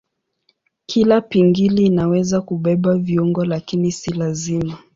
Kila pingili inaweza kubeba viungo lakini si lazima.